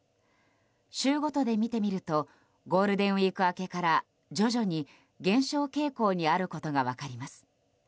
週ごとで見てみるとゴールデンウィーク明けから徐々に減少傾向にあることが分かります。